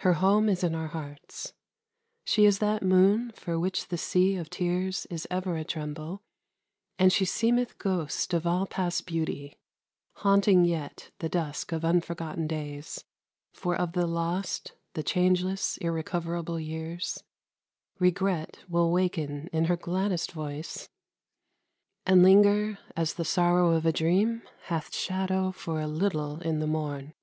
Her home is in our hearts. She is that moon for which the sea of tears Is ever a tremble, and she seemeth ghost Of all past beauty, haunting yet the dusk Of unforgotten days; for of the lost, The changeless, irrecoverable years, Regret will waken in her gladdest voice, MUSIC. And linger, as the sorrow of a dream Hath shadow for a little in the morn.